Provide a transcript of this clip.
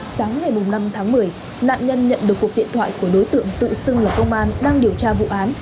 sáng ngày năm tháng một mươi nạn nhân nhận được cuộc điện thoại của đối tượng tự xưng là công an đang điều tra vụ án